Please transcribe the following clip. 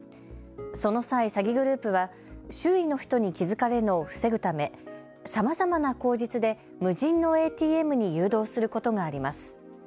その際、詐欺グループは周囲の人に気付かれるのを防ぐため、さまざまな口実で無人のＡＴＭに誘導することがあります。